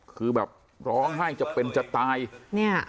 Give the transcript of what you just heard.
คือแบบร้องไห้จะเป็นจะตายเนี่ย